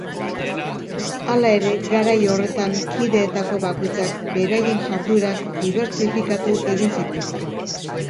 Hala ere, garai horretan kideetako bakoitzak beraien jarduerak dibertsifikatu egin zituzten.